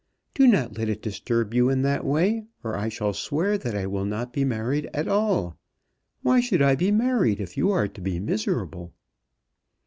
Do not let it disturb you in that way, or I shall swear that I will not be married at all. Why should I be married if you are to be miserable?"